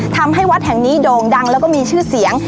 ทำให้วัดแห่งนี้โด่งดังแล้วก็มีชื่อเสียง